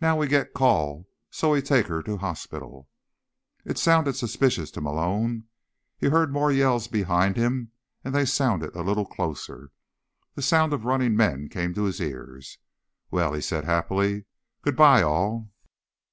Now we get call so we take her to hospital." It sounded suspicious to Malone. He heard more yells behind him, and they sounded a little closer. The sound of running men came to his ears. "Well," he said happily, "goodbye all."